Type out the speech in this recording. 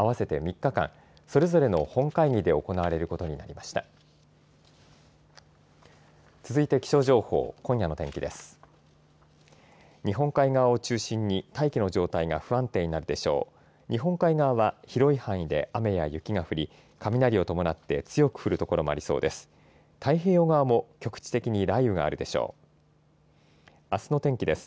日本海側は広い範囲で雨や雪が降り雷を伴って強く降る所もありそうです。